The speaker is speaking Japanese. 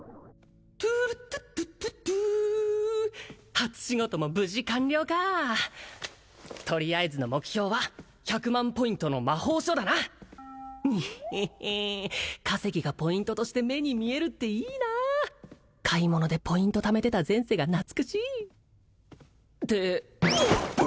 初仕事も無事完了かとりあえずの目標は１００万ポイントの魔法書だなニヘヘ稼ぎがポイントとして目に見えるっていいな買い物でポイントためてた前世が懐かしいってうおっぷ！